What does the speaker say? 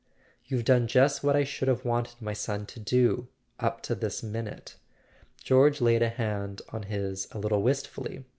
You've done just what I should have wanted my son to do, up to this minute " George laid a hand on his a little wistfully.